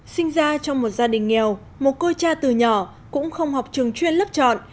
sinh ra trong một gia đình nghèo một cô cha từ nhỏ cũng không học trường chuyên lớp chọn